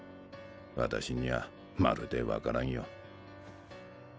私にはまるでわからんよ。